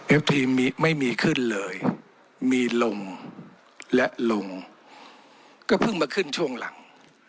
ทีมไม่มีขึ้นเลยมีลมและลมก็เพิ่งมาขึ้นช่วงหลัง